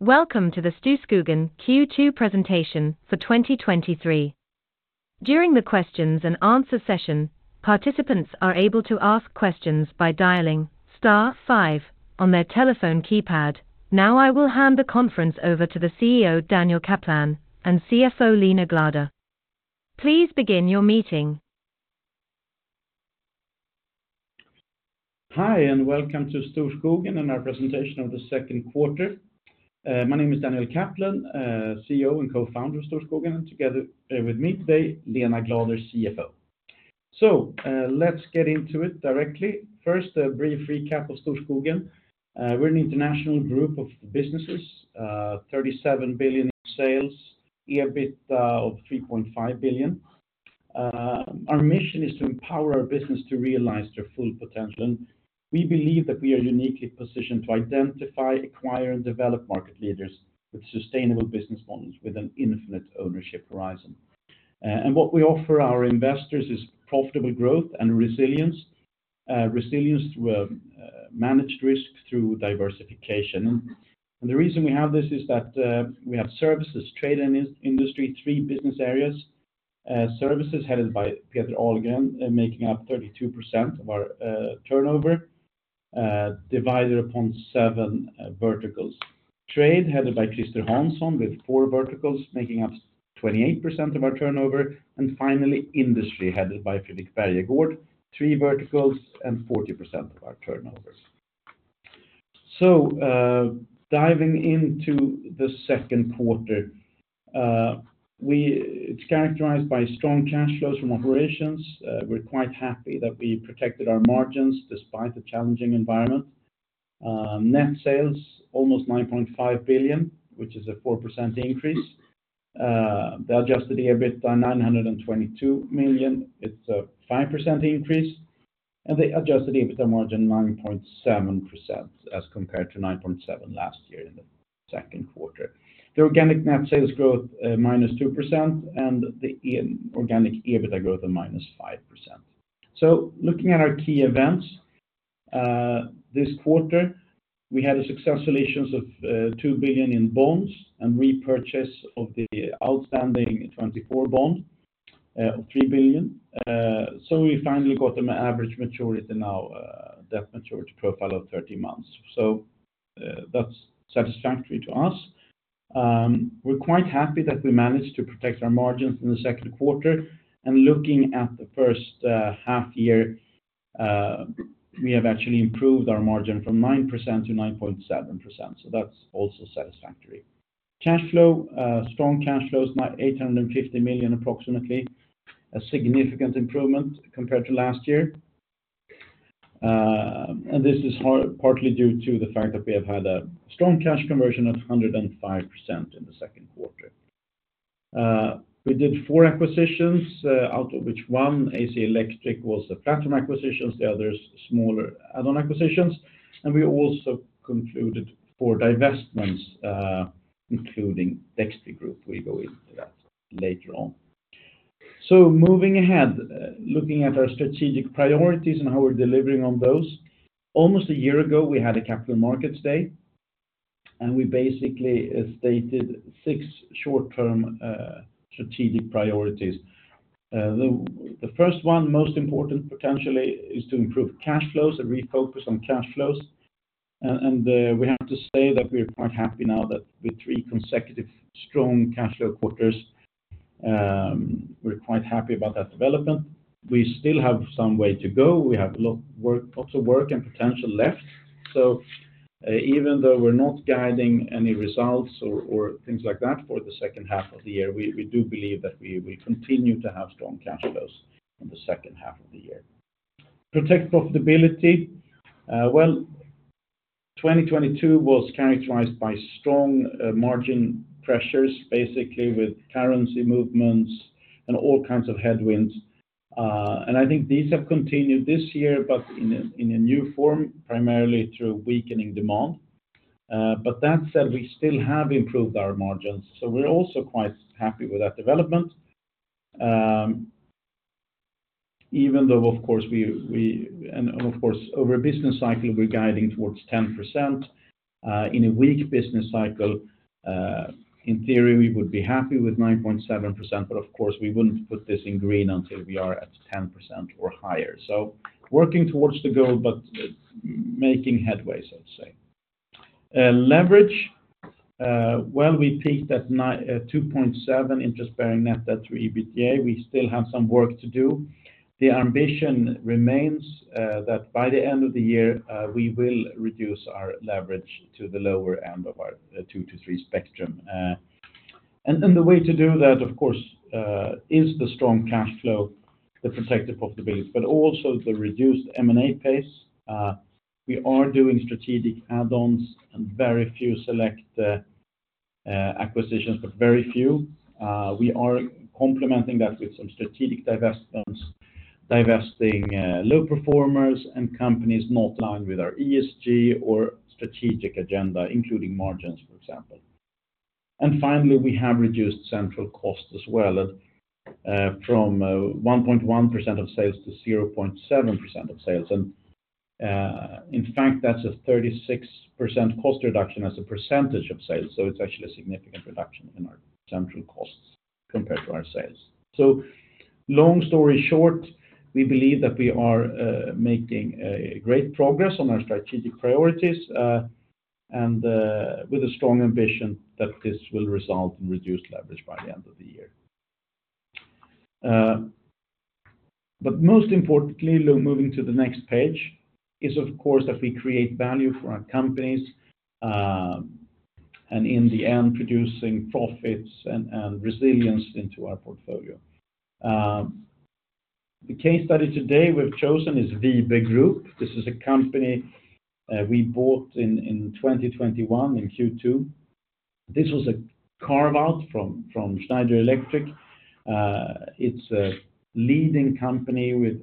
Welcome to the Storskogen Q2 presentation for 2023. During the questions and answer session, participants are able to ask questions by dialing star five on their telephone keypad. Now, I will hand the conference over to the CEO, Daniel Kaplan, and CFO, Lena Glader. Please begin your meeting. Hi, welcome to Storskogen and our presentation of the second quarter. My name is Daniel Kaplan, CEO and co-founder of Storskogen. Together with me today, Lena Glader, CFO. Let's get into it directly. First, a brief recap of Storskogen. We're an international group of businesses, 37 billion in sales, EBIT of 3.5 billion. Our mission is to empower our business to realize their full potential. We believe that we are uniquely positioned to identify, acquire, and develop market leaders with sustainable business models with an infinite ownership horizon. What we offer our investors is profitable growth and resilience. Resilience through managed risk through diversification. The reason we have this is that we have Services, Trade, and Industry, three business areas. Services headed by Peter Ahlgren, and making up 32% of our turnover, divided upon seven verticals. Trade, headed by Christer Hansson, with four verticals, making up 28% of our turnover. Finally, Industry headed by Fredrik Bergegård, three verticals and 40% of our turnover. Diving into the second quarter, It's characterized by strong cash flows from operations. We're quite happy that we protected our margins despite the challenging environment. Net sales, almost 9.5 billion, which is a 4% increase. The adjusted EBIT are 922 million. It's a 5% increase, and the adjusted EBITA margin, 9.7%, as compared to 9.7 last year in the second quarter. The organic net sales growth, -2%, and the organic EBITA growth are -5%. Looking at our key events, this quarter, we had a success relations of 2 billion in bonds and repurchase of the outstanding 2024 bond, of 3 billion. We finally got an average maturity in our debt maturity profile of 30 months. That's satisfactory to us. We're quite happy that we managed to protect our margins in the second quarter. Looking at the first half year, we have actually improved our margin from 9% -9.7%, so that's also satisfactory. Cash flow, strong cash flow is now 850 million, approximately. A significant improvement compared to last year. This is partly due to the fact that we have had a strong cash conversion of 105% in the second quarter. We did four acquisitions, out of which one, AC Electric, was a platform acquisition, the other is smaller add-on acquisitions. We also concluded four divestments, including Dextry Group. We'll go into that later on. Moving ahead, looking at our strategic priorities and how we're delivering on those. Almost a year ago, we had a capital markets day. We basically stated six short-term strategic priorities. The 1st one, most important, potentially, is to improve cash flows and refocus on cash flows. We have to say that we're quite happy now that with three consecutive strong cash flow quarters, we're quite happy about that development. We still have some way to go. We have lots of work and potential left. Even though we're not guiding any results or, or things like that for the second half of the year, we, we do believe that we, we continue to have strong cash flows in the second half of the year. Protect profitability. Well, 2022 was characterized by strong margin pressures, basically with currency movements and all kinds of headwinds. I think these have continued this year, but in a, in a new form, primarily through weakening demand. That said, we still have improved our margins, so we're also quite happy with that development. Even though, of course, we, we... Of course, over a business cycle, we're guiding towards 10%, in a weak business cycle, in theory, we would be happy with 9.7%, but of course, we wouldn't put this in green until we are at 10% or higher. Working towards the goal, but making headway, so to say. Leverage, well, we peaked at 2.7 interest bearing net debt to EBITDA. We still have some work to do. The ambition remains that by the end of the year, we will reduce our leverage to the lower end of our 2-3 spectrum. And, and the way to do that, of course, is the strong cash flow, to protect the profitability, but also the reduced M&A pace. We are doing strategic add-ons and very few select acquisitions, but very few. We are complementing that with some strategic divestments, divesting low performers and companies not aligned with our ESG or strategic agenda, including margins, for example. Finally, we have reduced central costs as well, at from 1.1% of sales to 0.7% of sales. In fact, that's a 36% cost reduction as a % of sales, so it's actually a significant reduction in our central costs compared to our sales. Long story short, we believe that we are making great progress on our strategic priorities, and with a strong ambition that this will result in reduced leverage by the end of the year. Most importantly, moving to the next page, is, of course, that we create value for our companies, and in the end, producing profits and resilience into our portfolio. The case study today we've chosen is Wibe Group. This is a company we bought in 2021, in Q2. This was a carve-out from Schneider Electric. It's a leading company with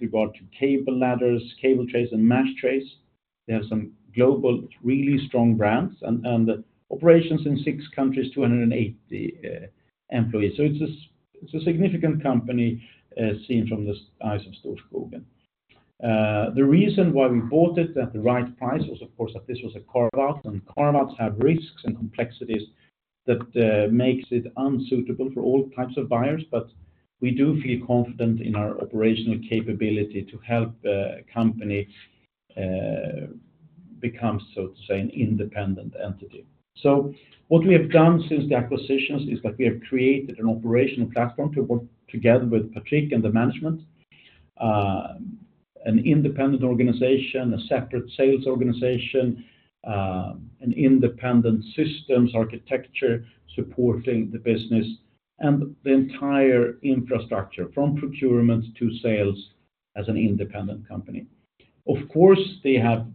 regard to cable ladders, cable trays, and mesh trays. They have some global, really strong brands and operations in 6 countries, 280 employees. It's a significant company seen from the eyes of Storskogen. The reason why we bought it at the right price was, of course, that this was a carve-out, and carve-outs have risks and complexities that makes it unsuitable for all types of buyers, but we do feel confident in our operational capability to help the company become, so to say, an independent entity. What we have done since the acquisitions is that we have created an operational platform to work together with Patrick and the management. An independent organization, a separate sales organization, an independent systems architecture supporting the business, and the entire infrastructure, from procurement to sales, as an independent company. Of course, they have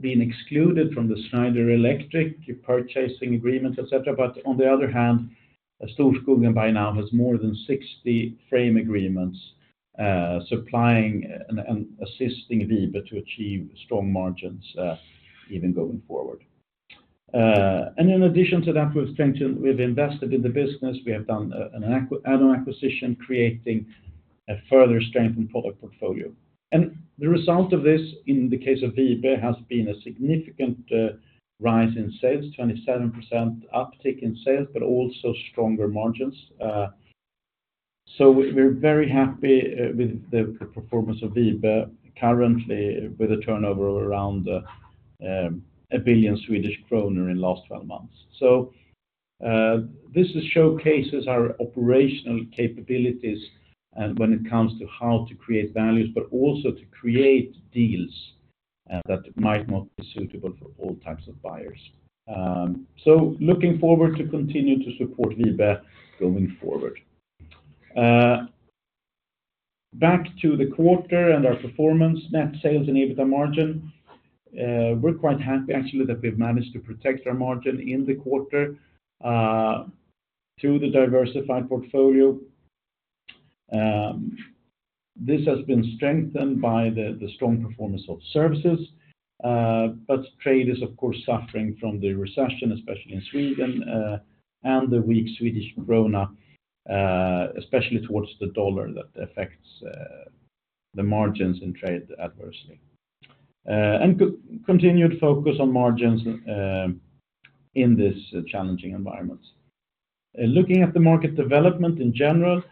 been excluded from the Schneider Electric purchasing agreement, et cetera. On the other hand, Storskogen by now has more than 60 frame agreements, supplying and assisting Wibe to achieve strong margins even going forward. In addition to that, we've invested in the business. We have done an add-on acquisition, creating a further strengthened product portfolio. The result of this, in the case of Wibe, has been a significant rise in sales, 27% uptick in sales, but also stronger margins. We're very happy with the performance of Wibe currently, with a turnover around 1 billion Swedish kronor in last 12 months. This showcases our operational capabilities and when it comes to how to create values, but also to create deals that might not be suitable for all types of buyers. Looking forward to continue to support Wibe going forward. Back to the quarter and our performance, net sales and EBITDA margin. We're quite happy, actually, that we've managed to protect our margin in the quarter through the diversified portfolio. This has been strengthened by the strong performance of services, but trade is, of course, suffering from the recession, especially in Sweden, and the weak Swedish krona, especially towards the dollar, that affects the margins in trade adversely. Continued focus on margins in this challenging environment. Looking at the market development in general,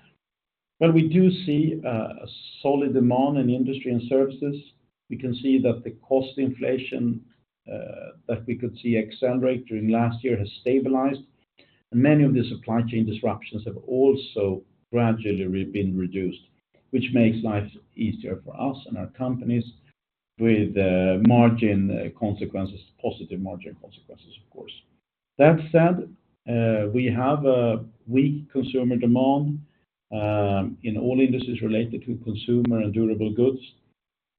well, we do see a solid demand in industry and services. We can see that the cost inflation that we could see accelerate during last year has stabilized. Many of the supply chain disruptions have also gradually been reduced, which makes life easier for us and our companies, with margin consequences, positive margin consequences, of course. That said, we have a weak consumer demand in all industries related to consumer and durable goods,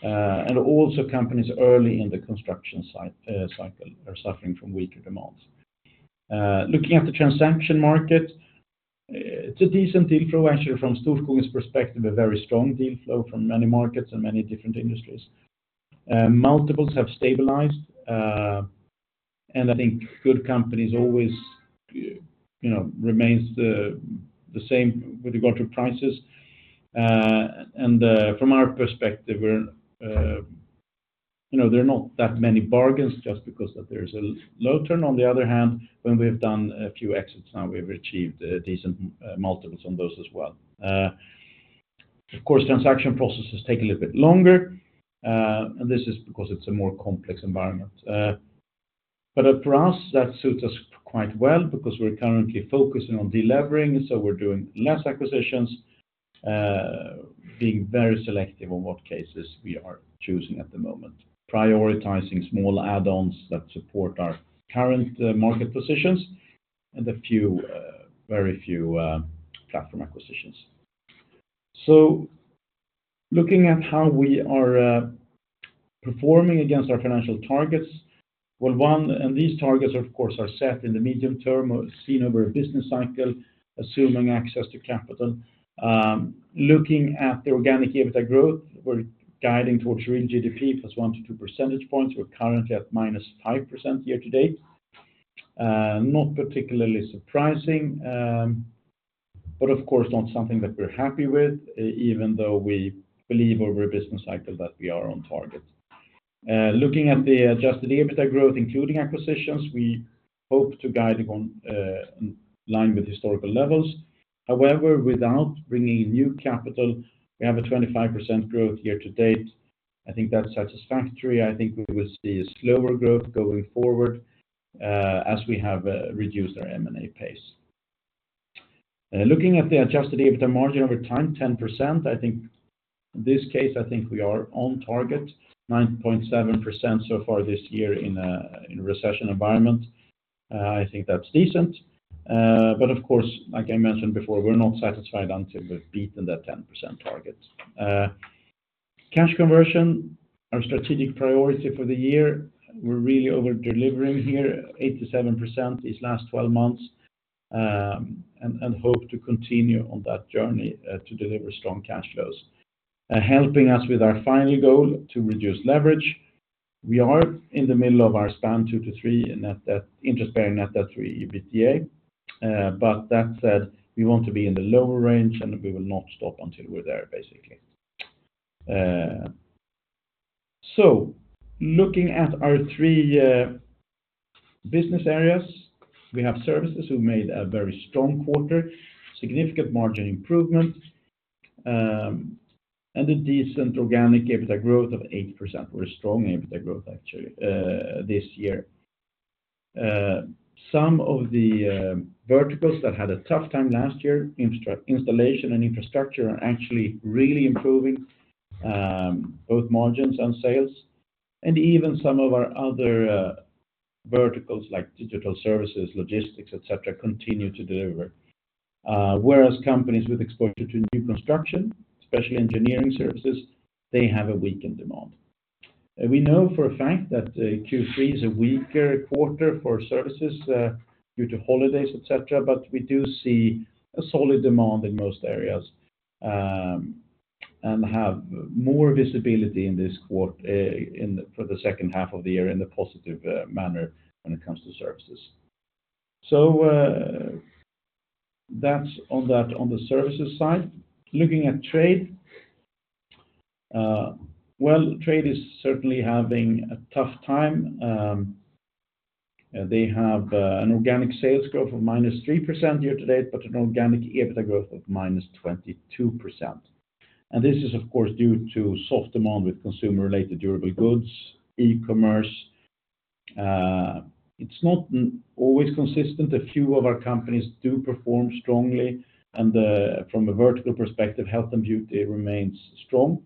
and also companies early in the construction cycle are suffering from weaker demands. Looking at the transaction market, it's a decent deal flow. Actually, from Storskogen's perspective, a very strong deal flow from many markets and many different industries. Multiples have stabilized, and I think good companies always, you know, remains the, the same with regard to prices. And, from our perspective, we're... You know, there are not that many bargains just because that there's a low turn. On the other hand, when we've done a few exits, now we've achieved decent multiples on those as well. Of course, transaction processes take a little bit longer, and this is because it's a more complex environment. For us, that suits us quite well because we're currently focusing on delevering, so we're doing less acquisitions, being very selective on what cases we are choosing at the moment, prioritizing small add-ons that support our current market positions, and a few, very few, platform acquisitions. Looking at how we are performing against our financial targets, well, one, these targets, of course, are set in the medium term or seen over a business cycle, assuming access to capital. Looking at the organic EBITDA growth, we're guiding towards real GDP plus 1 to 2 percentage points. We're currently at -5% year-to-date. Not particularly surprising, but of course not something that we're happy with, even though we believe over a business cycle that we are on target. Looking at the adjusted EBITDA growth, including acquisitions, we hope to guide it on in line with historical levels. However, without bringing in new capital, we have a 25% growth year-to-date. I think that's satisfactory. I think we will see a slower growth going forward, as we have reduced our M&A pace. Looking at the adjusted EBITDA margin over time, 10%, I think this case, I think we are on target, 9.7% so far this year in a recession environment. I think that's decent. Of course, like I mentioned before, we're not satisfied until we've beaten that 10% target. Cash conversion, our strategic priority for the year, we're really over-delivering here, 87% these last 12 months, and hope to continue on that journey to deliver strong cash flows. Helping us with our final goal to reduce leverage, we are in the middle of our span two to three in net debt, interest-bearing net debt to EBITDA. That said, we want to be in the lower range, and we will not stop until we're there, basically. Looking at our three business areas, we have services who made a very strong quarter, significant margin improvement, and a decent organic EBITDA growth of 8%, or a strong EBITDA growth actually, this year. Some of the verticals that had a tough time last year, Installation and Infrastructure, are actually really improving, both margins and sales, and even some of our other verticals like Digital Services, Logistics, et cetera, continue to deliver. Whereas companies with exposure to new construction, especially Engineering Services, they have a weakened demand. We know for a fact that Q3 is a weaker quarter for services due to holidays, et cetera, but we do see a solid demand in most areas and have more visibility in the, for the second half of the year in a positive manner when it comes to services. That's on that, on the services side. Looking at trade, well, trade is certainly having a tough time. They have an organic sales growth of -3% year-to-date, but an organic EBITDA growth of -22%. This is, of course, due to soft demand with consumer-related durable goods, e-commerce. It's not always consistent. A few of our companies do perform strongly, and from a vertical perspective, Health & Beauty remains strong.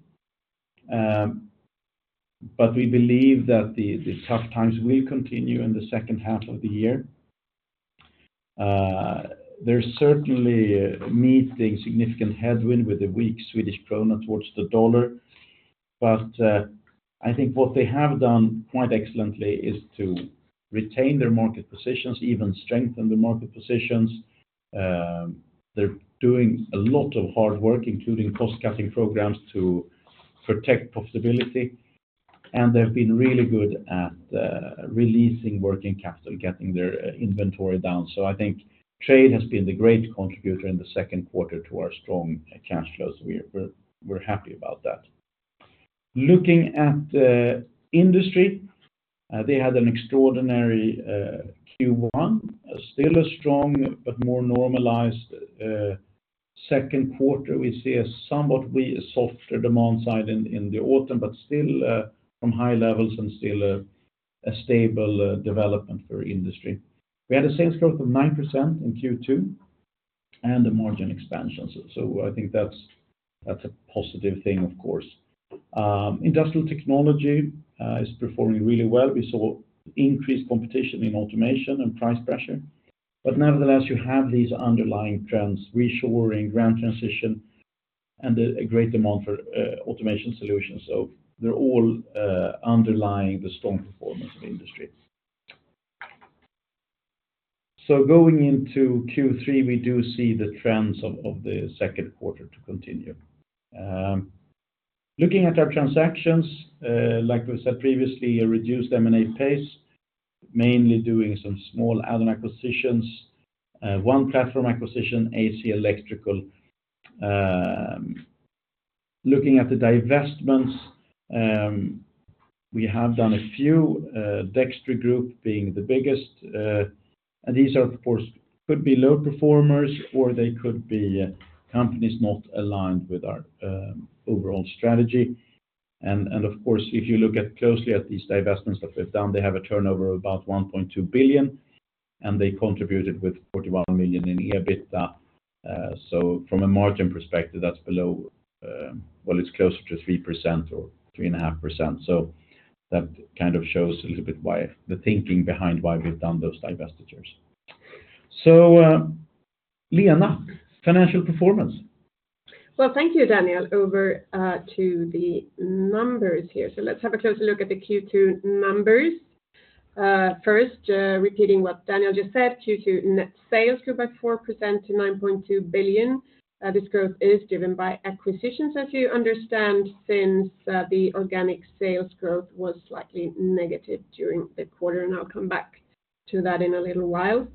We believe that the, the tough times will continue in the second half of the year. They're certainly meeting significant headwind with the weak Swedish krona towards the dollar. I think what they have done quite excellently is to retain their market positions, even strengthen the market positions. They're doing a lot of hard work, including cost-cutting programs, to protect profitability, and they've been really good at releasing working capital, getting their inventory down. I think trade has been the great contributor in the second quarter to our strong cash flows. We're, we're, we're happy about that. Looking at the industry, they had an extraordinary Q1, still a strong but more normalized second quarter. We see a somewhat softer demand side in, in the autumn, still from high levels and still a stable development for industry. We had a sales growth of 9% in Q2 and a margin expansion, I think that's, that's a positive thing, of course. Industrial Technology is performing really well. We saw increased competition in automation and price pressure, nevertheless, you have these underlying trends, reshoring, green transition, and a great demand for automation solutions. They're all underlying the strong performance of industry. Going into Q3, we do see the trends of, of the second quarter to continue. Looking at our transactions, like we said previously, a reduced M&A pace, mainly doing some small add-on acquisitions, one platform acquisition, AC Electrical. Looking at the divestments, we have done a few, Dextry Group being the biggest, and these are, of course, could be low performers, or they could be companies not aligned with our overall strategy. Of course, if you look at closely at these divestments that we've done, they have a turnover of about 1.2 billion, and they contributed with 41 million in EBITDA. From a margin perspective, that's below, it's closer to 3% or 3.5%. That kind of shows a little bit why, the thinking behind why we've done those divestitures. Lena, financial performance? Well, thank you, Daniel. Over to the numbers here. Let's have a closer look at the Q2 numbers. First, repeating what Daniel just said, Q2 net sales grew by 4% to 9.2 billion. This growth is driven by acquisitions, as you understand, since the organic sales growth was slightly negative during the quarter, and I'll come back to that in a little while.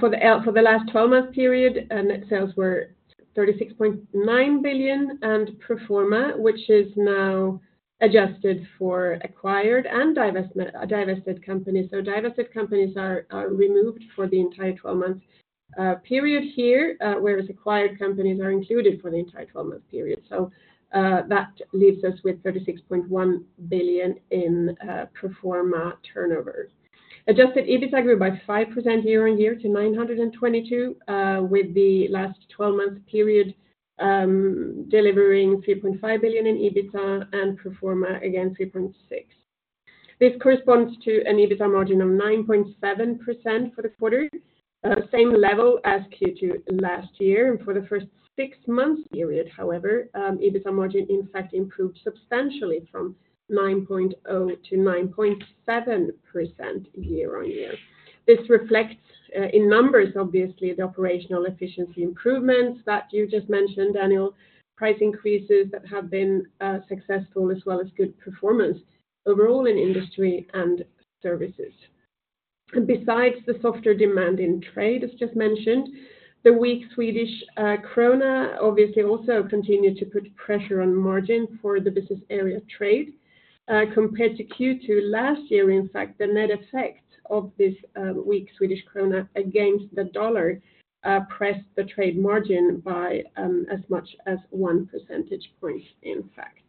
For the last 12-month period, net sales were 36.9 billion and pro forma, which is now adjusted for acquired and divested companies. Divested companies are removed for the entire 12-month period here, whereas acquired companies are included for the entire 12-month period. That leaves us with 36.1 billion in pro forma turnover. Adjusted EBITA grew by 5% year-on-year to 922, with the last 12-month period delivering 3.5 billion in EBITA and pro forma, again, 3.6 billion. This corresponds to an EBITA margin of 9.7% for the quarter, same level as Q2 last year. For the first six months period, however, EBITA margin, in fact, improved substantially from 9.0%-9.7% year-on-year. This reflects, in numbers, obviously, the operational efficiency improvements that you just mentioned, Daniel. Price increases that have been successful, as well as good performance overall in industry and services. Besides the softer demand in trade, as just mentioned, the weak Swedish krona obviously also continued to put pressure on margin for the business area trade. Compared to Q2 last year, in fact, the net effect of this weak Swedish krona against the dollar pressed the trade margin by as much as 1 percentage point, in fact.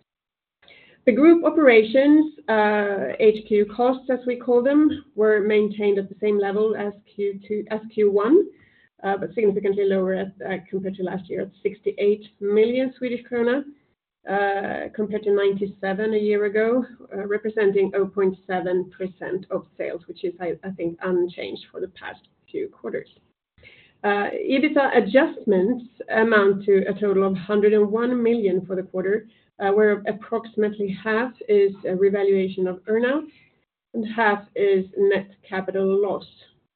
The group operations, HQ costs, as we call them, were maintained at the same level as Q2 as Q1, but significantly lower compared to last year, at 68 million Swedish krona, compared to 97 million a year ago, representing 0.7% of sales, which is, I think, unchanged for the past few quarters. EBITA adjustments amount to a total of 101 million for the quarter, where approximately half is a revaluation of earnout and half is net capital loss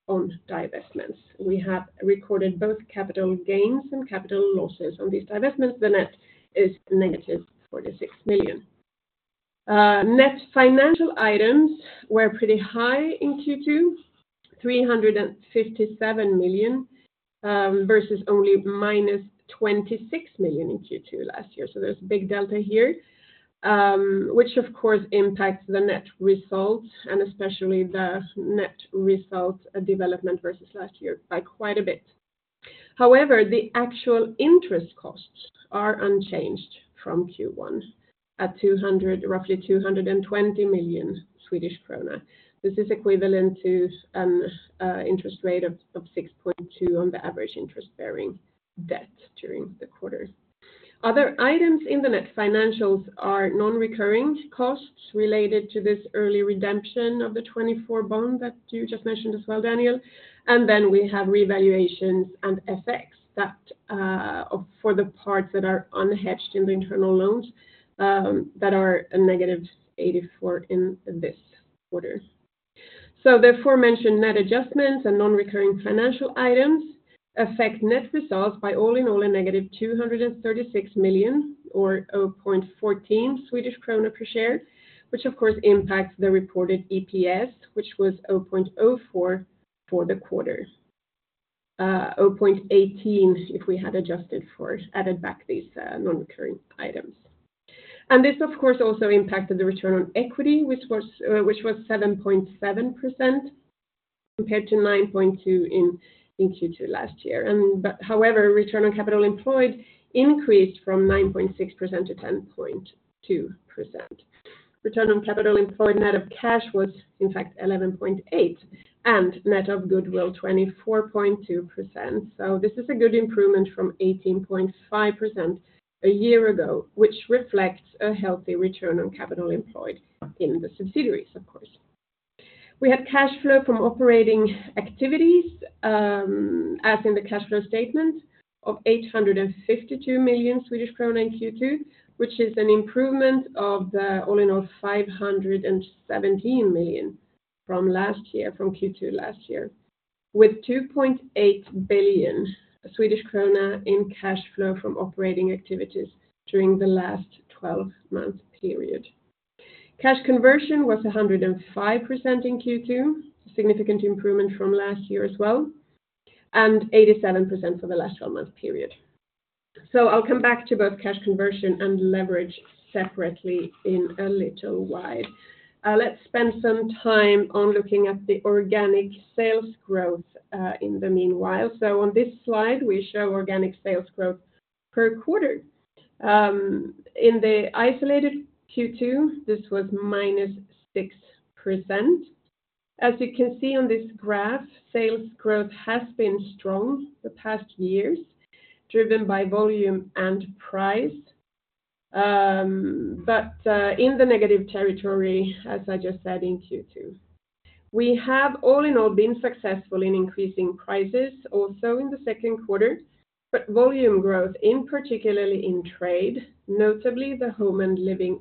on divestments. We have recorded both capital gains and capital losses on these divestments. The net is negative 46 million. Net financial items were pretty high in Q2, 357 million, versus only -26 million in Q2 last year. There's a big delta here, which of course impacts the net results, and especially the net result development versus last year by quite a bit. However, the actual interest costs are unchanged from Q1 at roughly 220 million Swedish krona. This is equivalent to an interest rate of 6.2 on the average interest-bearing debt during the quarter. Other items in the net financials are non-recurring costs related to this early redemption of the 2024 bond that you just mentioned as well, Daniel. We have revaluations and FX that, for the parts that are unhedged in the internal loans, that are a negative 84 in this quarter. Therefore, mentioned net adjustments and non-recurring financial items affect net results by all in all, a negative 236 million or 0.14 Swedish krona per share, which of course impacts the reported EPS, which was 0.04 for the quarter. 0.18, if we had adjusted for-- added back these non-recurring items. This, of course, also impacted the return on equity, which was 7.7% compared to 9.2 in Q2 last year. However, return on capital employed increased from 9.6%-10.2%. Return on capital employed net of cash was in fact 11.8%, and net of goodwill, 24.2%. This is a good improvement from 18.5% a year ago, which reflects a healthy return on capital employed in the subsidiaries, of course. We had cash flow from operating activities, as in the cash flow statement, of 852 million Swedish krona in Q2, which is an improvement of the all in all 517 million from last year, from Q2 last year, with 2.8 billion Swedish krona in cash flow from operating activities during the last 12-month period. Cash conversion was 105% in Q2, significant improvement from last year as well, and 87% for the last 12-month period. I'll come back to both cash conversion and leverage separately in a little while. Let's spend some time on looking at the organic sales growth in the meanwhile. On this slide, we show organic sales growth per quarter. In the isolated Q2, this was -6%. As you can see on this graph, sales growth has been strong the past years, driven by volume and price, but in the negative territory, as I just said, in Q2. We have all in all been successful in increasing prices also in the second quarter, but volume growth, in particularly in trade, notably the Home & Living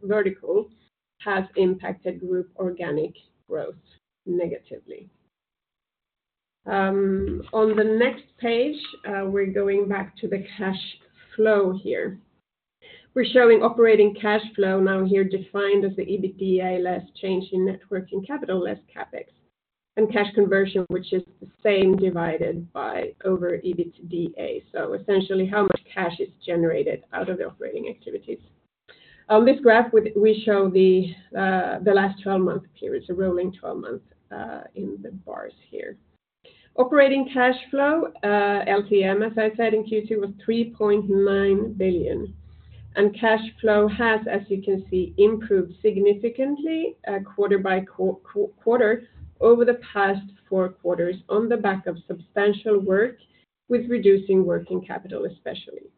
vertical, has impacted group organic growth negatively. On the next page, we're going back to the cash flow here. We're showing operating cash flow now here defined as the EBITDA less change in net working capital less CapEx, and cash conversion, which is the same divided by over EBITDA. Essentially, how much cash is generated out of the operating activities. On this graph, we, we show the last 12-month period, so rolling 12 months, in the bars here. Operating cash flow, LTM, as I said in Q2, was 3.9 billion. Cash flow has, as you can see, improved significantly, quarter-by-quarter over the past four quarters on the back of substantial work with reducing working capital, especially.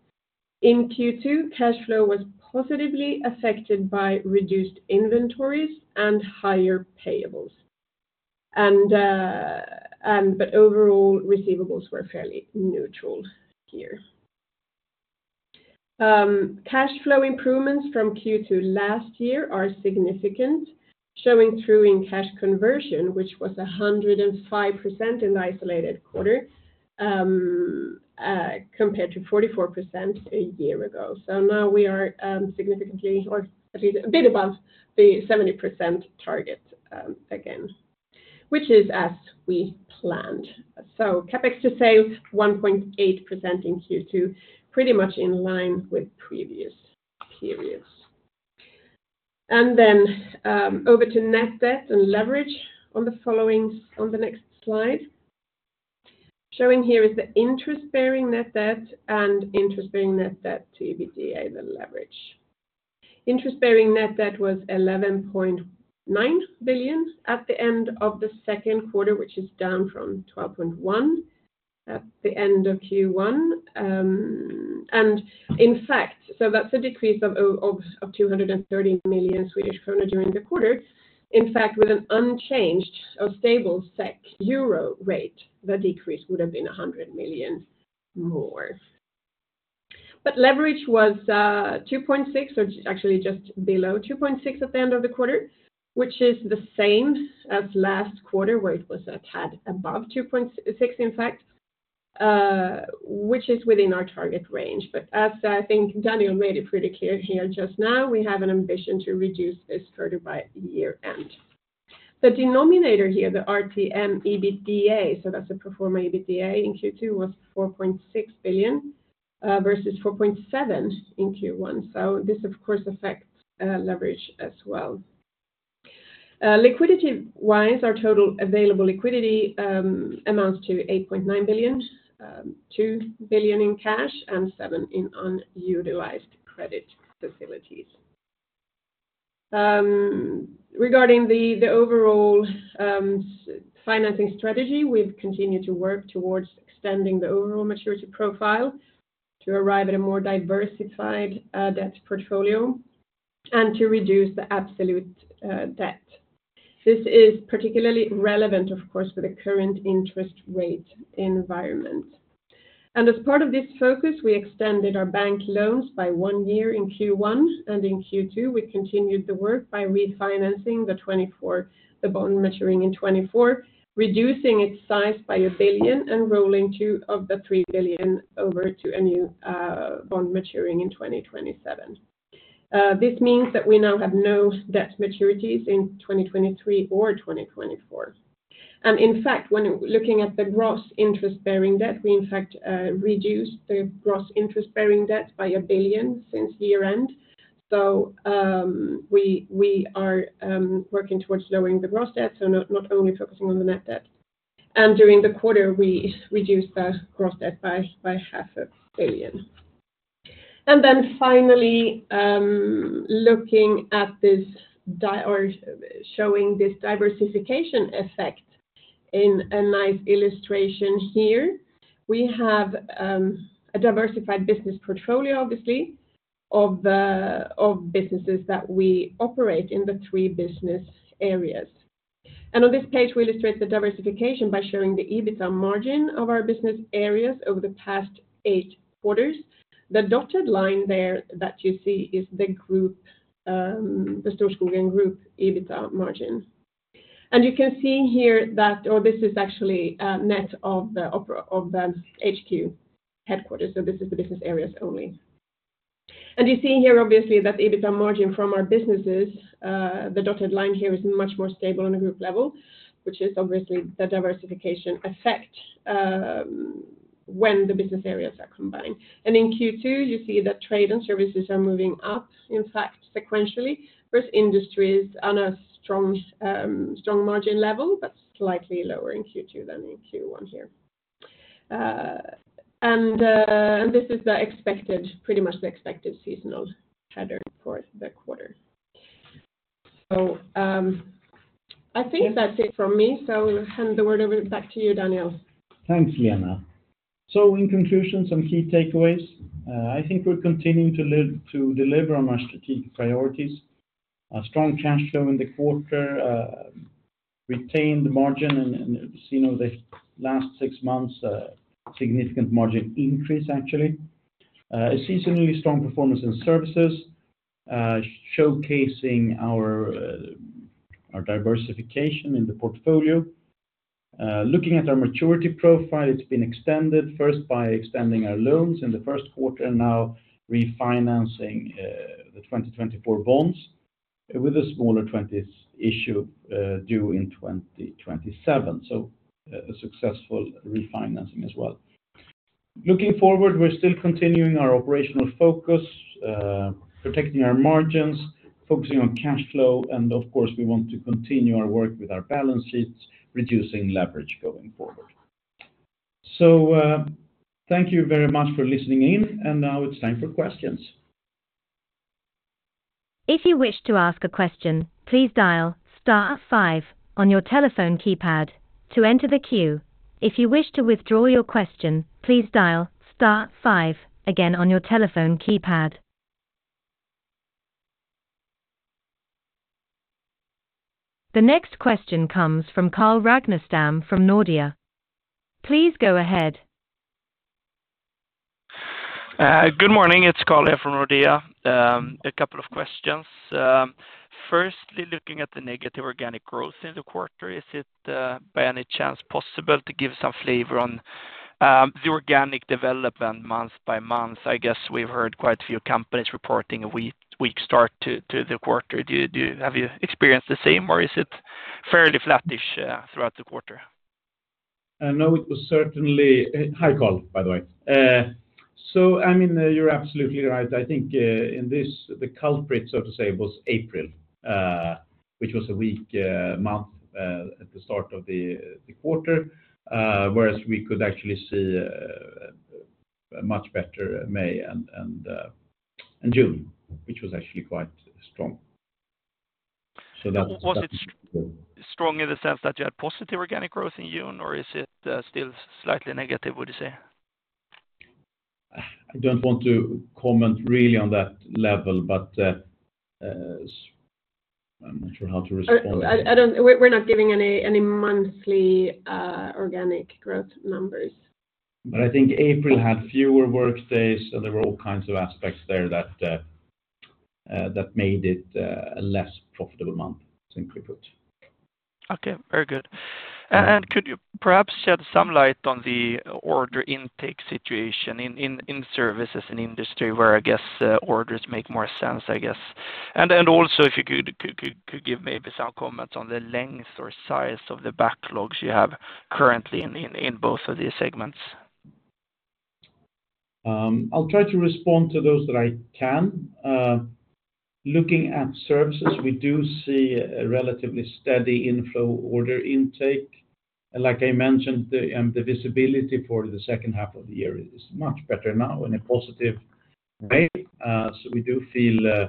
In Q2, cash flow was positively affected by reduced inventories and higher payables. But overall, receivables were fairly neutral here. Cash flow improvements from Q2 last year are significant, showing through in cash conversion, which was 105% in isolated quarter, compared to 44% a year ago. Now we are, significantly, or at least a bit above the 70% target, again, which is as we planned. CapEx to save 1.8% in Q2, pretty much in line with previous periods. Then over to net debt and leverage on the following, on the next slide. Showing here is the interest-bearing net debt and interest-bearing net debt to EBITDA, the leverage. Interest-bearing net debt was 11.9 billion at the end of the second quarter, which is down from 12.1 billion at the end of Q1. In fact, that's a decrease of 230 million Swedish krona during the quarter. In fact, with an unchanged or stable SEK/Euro rate, the decrease would have been 100 million more. Leverage was 2.6, or actually just below 2.6 at the end of the quarter, which is the same as last quarter, where it was a tad above 2.6, in fact, which is within our target range. As I think Daniel made it pretty clear here just now, we have an ambition to reduce this further by year-end. The denominator here, the RTM EBITDA, so that's the pro forma EBITDA in Q2, was 4.6 billion versus 4.7 billion in Q1. This, of course, affects leverage as well. Liquidity-wise, our total available liquidity amounts to 8.9 billion, 2 billion in cash and 7 billion in unutilized credit facilities. Regarding the overall financing strategy, we've continued to work towards extending the overall maturity profile to arrive at a more diversified debt portfolio and to reduce the absolute debt. This is particularly relevant, of course, for the current interest rate environment. As part of this focus, we extended our bank loans by one year in Q1, and in Q2, we continued the work by refinancing the 2024, the bond maturing in 2024, reducing its size by 1 billion and rolling 2 of the 3 billion over to a new bond maturing in 2027. This means that we now have no debt maturities in 2023 or 2024. In fact, when looking at the gross interest-bearing debt, we in fact reduced the gross interest-bearing debt by 1 billion since year-end. We, we are working towards lowering the gross debt, so not, not only focusing on the net debt. During the quarter, we reduced the gross debt by 500 million. Finally, looking at this or showing this diversification effect in a nice illustration here, we have a diversified business portfolio, obviously, of the businesses that we operate in the three business areas. On this page, we illustrate the diversification by showing the EBITDA margin of our business areas over the past eight quarters. The dotted line there that you see is the group, the Storskogen Group EBITDA margin. You can see here that, or this is actually net of the of the HQ headquarters, so this is the business areas only. You see here, obviously, that EBITDA margin from our businesses, the dotted line here is much more stable on a group level, which is obviously the diversification effect, when the business areas are combined. In Q2, you see that trade and services are moving up, in fact, sequentially, with industries on a strong, strong margin level, but slightly lower in Q2 than in Q1 here. This is the expected, pretty much the expected seasonal pattern for the quarter. I think that's it from me, so I'll hand the word over back to you, Daniel. Thanks, Lena. In conclusion, some key takeaways. I think we're continuing to live, to deliver on our strategic priorities. A strong cash flow in the quarter, retained margin, and, and, you know, the last six months, significant margin increase, actually. A seasonally strong performance in services, showcasing our, our diversification in the portfolio. Looking at our maturity profile, it's been extended first by extending our loans in the first quarter, now refinancing, the 2024 bonds with a smaller 20s issue, due in 2027. A successful refinancing as well. Looking forward, we're still continuing our operational focus, protecting our margins, focusing on cash flow, of course, we want to continue our work with our balance sheets, reducing leverage going forward. Thank you very much for listening in, and now it's time for questions. If you wish to ask a question, please dial star 5 on your telephone keypad to enter the queue. If you wish to withdraw your question, please dial star 5 again on your telephone keypad. The next question comes from Carl Ragnerstam from Nordea. Please go ahead. Good morning, it's Carl here from Nordea. A couple of questions. Firstly, looking at the negative organic growth in the quarter, is it by any chance possible to give some flavor on the organic development month-by-month? I guess we've heard quite a few companies reporting a weak, weak start to the quarter. Do you have you experienced the same, or is it fairly flattish throughout the quarter? No, it was certainly, hi, Carl, by the way. I mean, you're absolutely right. I think, in this, the culprit, so to say, was April, which was a weak month at the start of the quarter. Whereas we could actually see a much better May and June, which was actually quite strong. That's- Was it strong in the sense that you had positive organic growth in June, or is it still slightly negative, would you say? I don't want to comment really on that level, but, I'm not sure how to respond. We're not giving any monthly organic growth numbers. I think April had fewer work days, and there were all kinds of aspects there that made it a less profitable month, I think we put. Okay, very good. Could you perhaps shed some light on the order intake situation in services and industry, where I guess, orders make more sense, I guess? Then also, if you could give maybe some comments on the length or size of the backlogs you have currently in both of these segments? I'll try to respond to those that I can. Looking at services, we do see a relatively steady inflow order intake. Like I mentioned, the visibility for the second half of the year is much better now in a positive way. So we do feel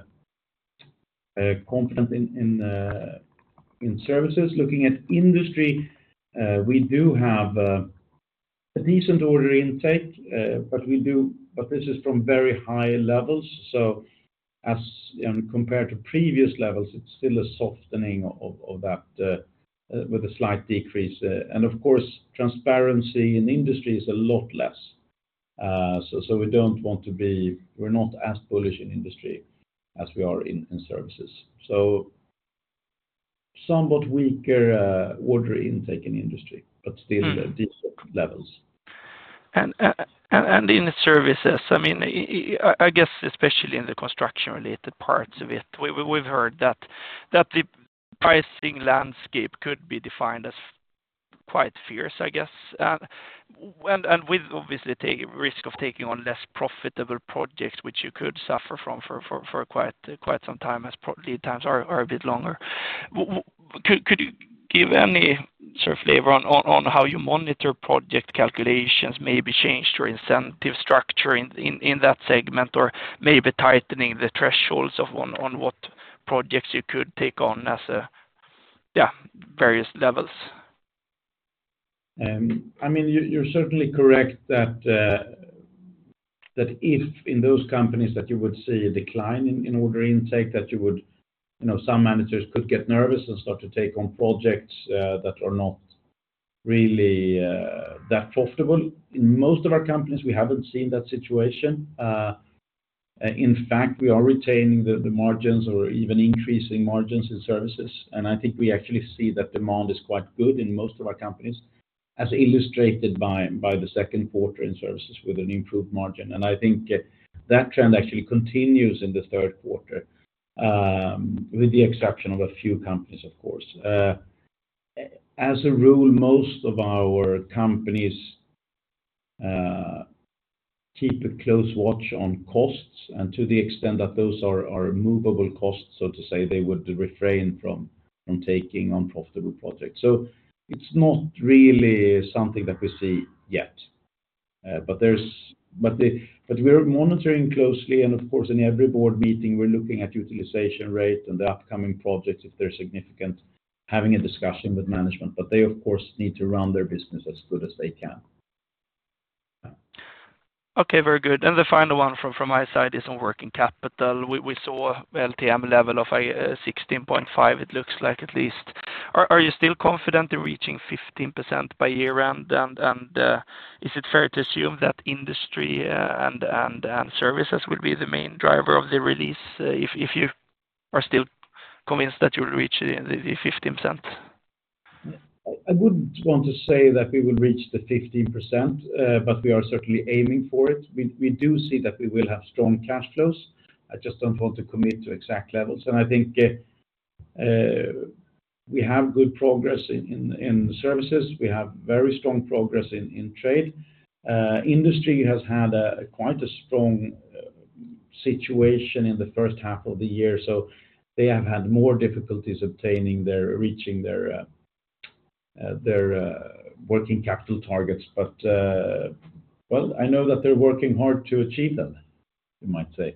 confident in services. Looking at industry, we do have a decent order intake, but this is from very high levels. So as, compared to previous levels, it's still a softening of that with a slight decrease. And of course, transparency in industry is a lot less. So we don't want to be-- we're not as bullish in industry as we are in services. So somewhat weaker order intake in industry, but still at decent levels. In services, I mean, I guess especially in the construction-related parts of it, we, we've heard that, that the pricing landscape could be defined as quite fierce, I guess. With obviously, taking risk of taking on less profitable projects, which you could suffer from for quite some time, as pro lead times are a bit longer. Could you give any sort of flavor on how you monitor project calculations, maybe change your incentive structure in that segment, or maybe tightening the thresholds of on what projects you could take on as a various levels? I mean, you, you're certainly correct that, that if in those companies that you would see a decline in, in order intake, you know, some managers could get nervous and start to take on projects, that are not really, that profitable. In most of our companies, we haven't seen that situation. In fact, we are retaining the, the margins or even increasing margins in services. I think we actually see that demand is quite good in most of our companies, as illustrated by, by the second quarter in services with an improved margin. I think that trend actually continues in the third quarter, with the exception of a few companies, of course. As a rule, most of our companies keep a close watch on costs, and to the extent that those are, are movable costs, so to say, they would refrain from, from taking unprofitable projects. It's not really something that we see yet. We're monitoring closely, and of course, in every board meeting, we're looking at utilization rate and the upcoming projects, if they're significant, having a discussion with management. They, of course, need to run their business as good as they can. Yeah. Okay, very good. The final one from, from my side is on working capital. We, we saw LTM level of a, 16.5, it looks like at least. Are, are you still confident in reaching 15% by year-end? And, and, is it fair to assume that industry, and, and, and services will be the main driver of the release if you are still convinced that you will reach the, the 15%? I, I wouldn't want to say that we will reach the 15%, but we are certainly aiming for it. We, we do see that we will have strong cash flows. I just don't want to commit to exact levels, and I think, we have good progress in, in, in services. We have very strong progress in, in trade. Industry has had a, quite a strong situation in the first half of the year, so they have had more difficulties obtaining their-- reaching their, their, working capital targets. Well, I know that they're working hard to achieve them, you might say.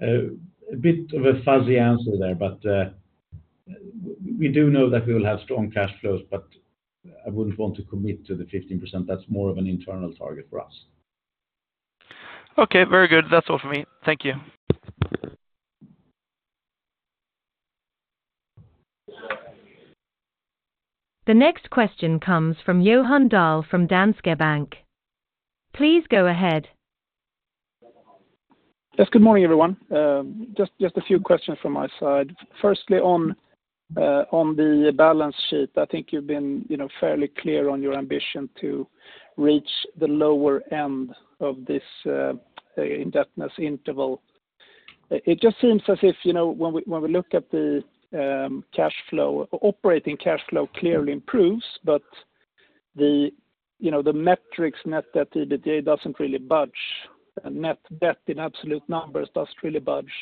A bit of a fuzzy answer there, but we do know that we will have strong cash flows, but I wouldn't want to commit to the 15%. That's more of an internal target for us. Okay, very good. That's all for me. Thank you. The next question comes from Johan Dahl from Danske Bank. Please go ahead. Yes, good morning, everyone. Just, just a few questions from my side. Firstly, on, on the balance sheet, I think you've been, you know, fairly clear on your ambition to reach the lower end of this, indebtedness interval. It, it just seems as if, you know, when we, when we look at the, cash flow, operating cash flow clearly improves, but the, you know, the metrics net that EBITDA doesn't really budge, and net debt in absolute numbers does really budge.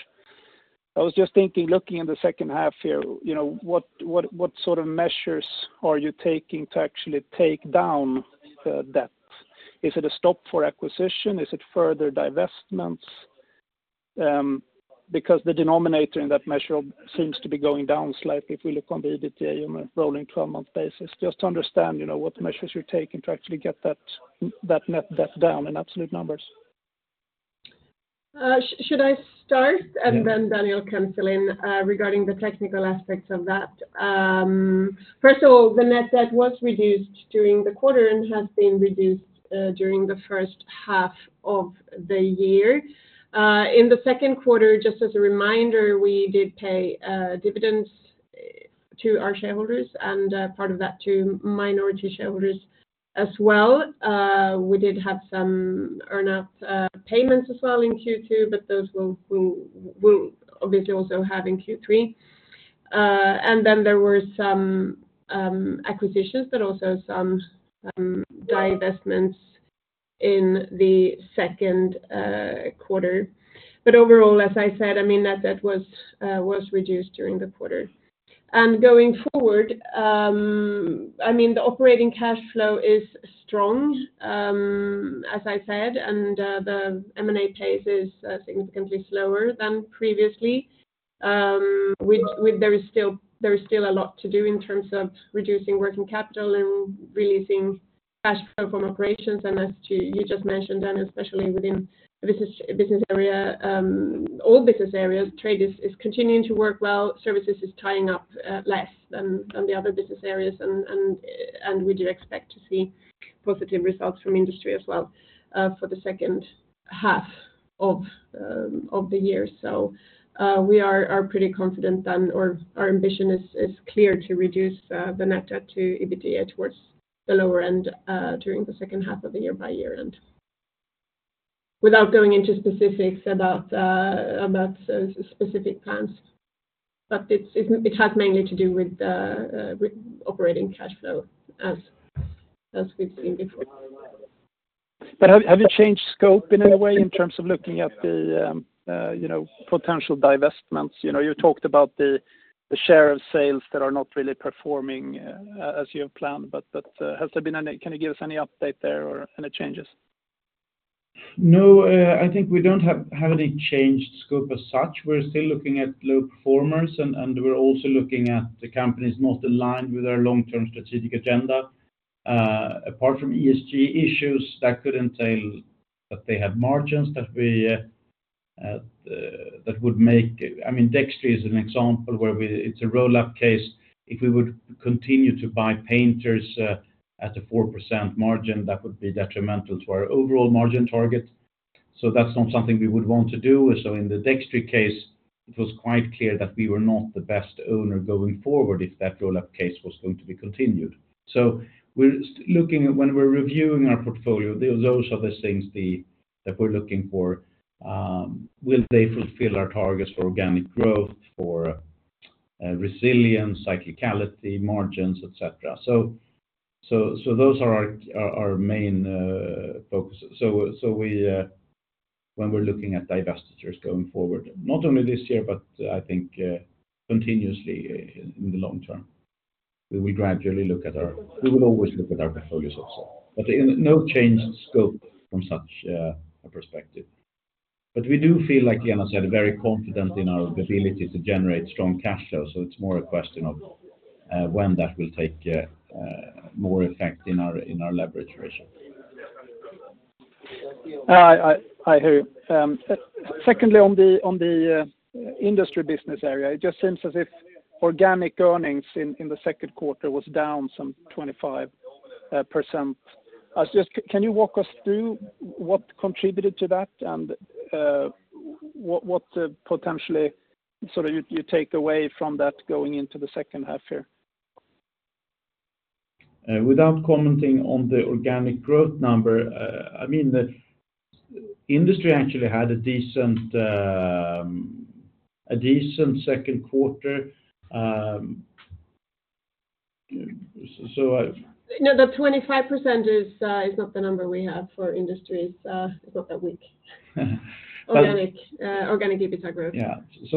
I was just thinking, looking in the second half here, you know, what, what, what sort of measures are you taking to actually take down the debt? Is it a stop for acquisition? Is it further divestments? Because the denominator in that measure seems to be going down slightly if we look on the EBITDA on a rolling 12-month basis. Just to understand, you know, what measures you're taking to actually get that, that net debt down in absolute numbers. Should I start? Yeah. Daniel can fill in regarding the technical aspects of that. First of all, the net debt was reduced during the quarter and has been reduced during the first half of the year. In the second quarter, just as a reminder, we did pay dividends to our shareholders and part of that to minority shareholders as well. We did have some earn out payments as well in Q2, but those we'll, we'll, we'll obviously also have in Q3. Then there were some acquisitions, but also some divestments in the second quarter. Overall, as I said, I mean, net debt was reduced during the quarter. Going forward, I mean, the operating cash flow is strong, as I said, and the M&A pace is significantly slower than previously. We, there is still, there is still a lot to do in terms of reducing working capital and releasing cash flow from operations. As to you just mentioned, and especially within business, business area, all business areas, trade is, is continuing to work well. Services is tying up less than, than the other business areas. We do expect to see positive results from industry as well, for the second half of the year. We are, are pretty confident, and our, our ambition is, is clear to reduce the net debt to EBITDA towards the lower end during the second half of the year-by-year-end. Without going into specifics about specific plans, but it's, it, it has mainly to do with operating cash flow, as, as we've seen before. Have, have you changed scope in any way in terms of looking at the, you know, potential divestments? You know, you talked about the, the share of sales that are not really performing, as you have planned, but that, has there been any... Can you give us any update there or any changes? No, I think we don't have, have any changed scope as such. We're still looking at low performers, and, and we're also looking at the companies not aligned with our long-term strategic agenda. Apart from ESG issues, that could entail that they have margins that we, I mean, Dextry is an example where we, it's a roll-up case. If we would continue to buy painters, at a 4% margin, that would be detrimental to our overall margin target. That's not something we would want to do. In the Dextry case, it was quite clear that we were not the best owner going forward if that roll-up case was going to be continued. We're looking at when we're reviewing our portfolio, those are the things that we're looking for. Will they fulfill our targets for organic growth, for resilience, cyclicality, margins, et cetera? So, so, so those are our, our, our main focuses. So, so we, when we're looking at divestitures going forward, not only this year, but I think continuously in the long term, we gradually look at our-- we will always look at our portfolios also, but in no changed scope from such a perspective. But we do feel like Lena said, very confident in our ability to generate strong cash flow. So it's more a question of when that will take more effect in our, in our leverage ratio. I, I hear you. Secondly, on the, on the Industry Business Area, it just seems as if organic earnings in, in the second quarter was down some 25%. I was just, can you walk us through what contributed to that? What, what, potentially sort of you, you take away from that going into the second half here? Without commenting on the organic growth number, I mean, the industry actually had a decent, a decent Q2. No, the 25% is, is not the number we have for industries, it's not that weak. Organic, organic EBITDA growth.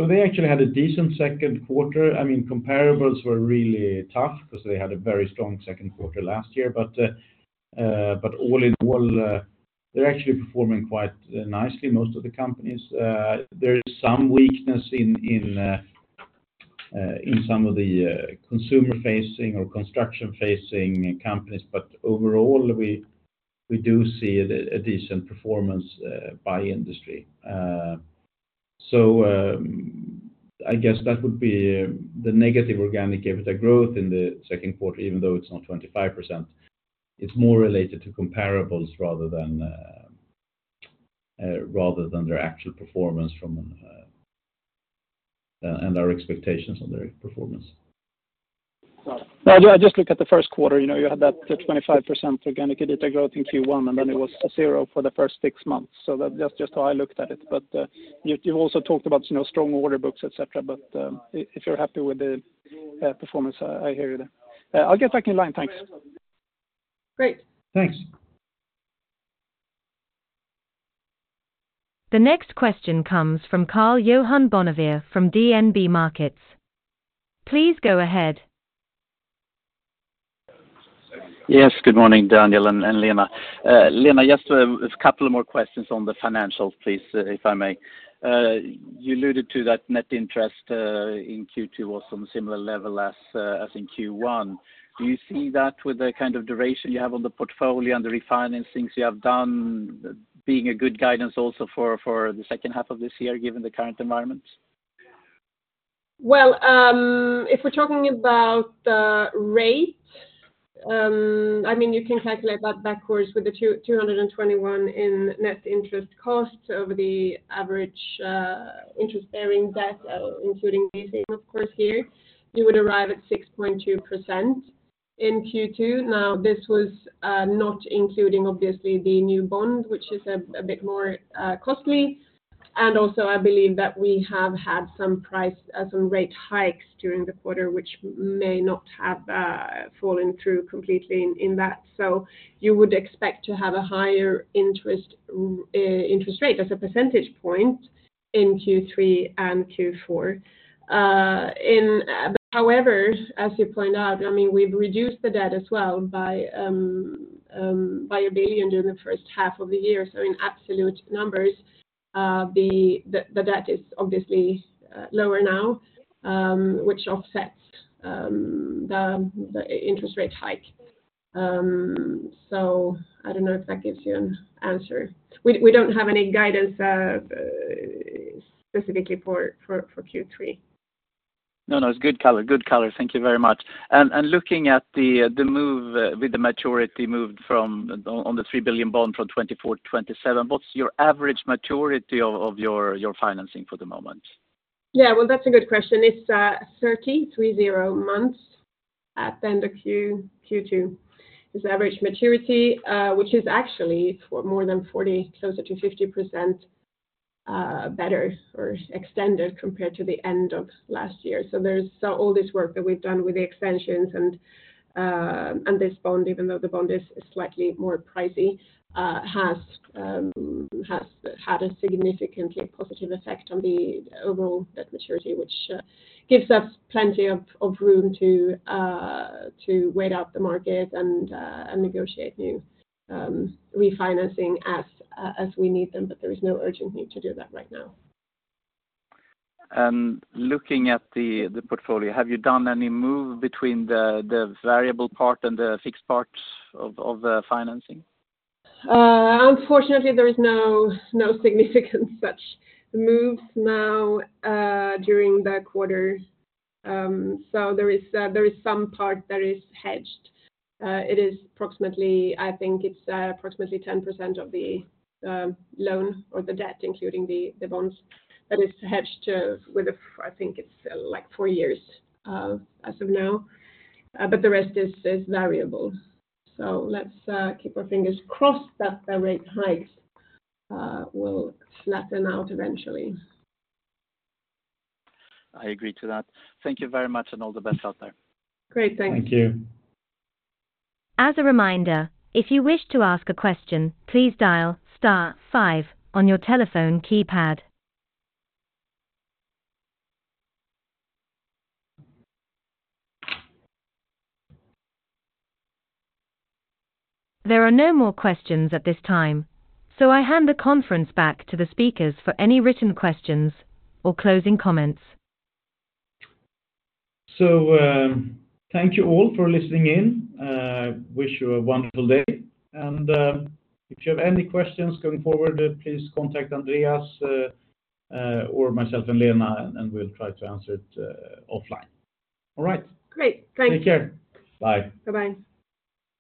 They actually had a decent second quarter. I mean, comparables were really tough 'cause they had a very strong second quarter last year. All in all, they're actually performing quite nicely, most of the companies. There is some weakness in some of the consumer-facing or construction-facing companies, but overall, we do see a decent performance by industry. I guess that would be the negative organic EBITDA growth in the second quarter, even though it's not 25%. It's more related to comparables, rather than their actual performance from and our expectations on their performance. Well, yeah, I just look at the first quarter, you know, you had that, the 25% organic EBITDA growth in Q1, and then it was a 0 for the first six months. That, that's just how I looked at it. You, you've also talked about, you know, strong order books, et cetera, but if you're happy with the performance, I, I hear you there. I'll get back in line. Thanks. Great. Thanks. The next question comes from Karl-Johan Bonnevier from DNB Markets. Please go ahead. Yes, good morning, Daniel and, and Lena. Lena, just, a couple of more questions on the financials, please, if I may. You alluded to that net interest, in Q2 was on a similar level as, as in Q1. Do you see that with the kind of duration you have on the portfolio and the refinancings you have done, being a good guidance also for, for the second half of this year, given the current environment? Well, if we're talking about the rate, I mean, you can calculate that backwards with the 221 in net interest costs over the average, interest-bearing debt, including leasing, of course here, you would arrive at 6.2% in Q2. Now, this was not including, obviously, the new bond, which is a, a bit more, costly. Also, I believe that we have had some price, some rate hikes during the quarter, which may not have, fallen through completely in, in that. You would expect to have a higher interest, interest rate as a percentage point in Q3 and Q4. However, as you pointed out, I mean, we've reduced the debt as well by, by 1 billion during the first half of the year. In absolute numbers, the debt is obviously lower now, which offsets the interest rate hike. I don't know if that gives you an answer. We don't have any guidance specifically for Q3. No, no, it's good color, good color. Thank you very much. Looking at the move with the maturity moved from the 3 billion bond from 2024 to 2027, what's your average maturity of your financing for the moment? Yeah. Well, that's a good question. It's 30 months at the end of Q2. This average maturity, which is actually more than 40, closer to 50%, better or extended compared to the end of last year. There's all this work that we've done with the extensions and, and this bond, even though the bond is, is slightly more pricey, has had a significantly positive effect on the overall debt maturity, which gives us plenty of, of room to, to wait out the market and, and negotiate new, refinancing as, as we need them, but there is no urgent need to do that right now. Looking at the, the portfolio, have you done any move between the, the variable part and the fixed parts of the financing? Unfortunately, there is no, no significant such moves now, during the quarter. There is, there is some part that is hedged. It is approximately, I think it's, approximately 10% of the, loan or the debt, including the, the bonds. It's hedged to with a f- I think it's, like four years, as of now, but the rest is, is variable. Let's, keep our fingers crossed that the rate hikes, will flatten out eventually. I agree to that. Thank you very much, and all the best out there. Great. Thank you. Thank you. As a reminder, if you wish to ask a question, please dial star five on your telephone keypad. There are no more questions at this time, I hand the conference back to the speakers for any written questions or closing comments. Thank you all for listening in. Wish you a wonderful day. If you have any questions going forward, please contact Andreas or myself and Lena, and we'll try to answer it offline. All right. Great. Thanks. Take care. Bye. Bye-bye.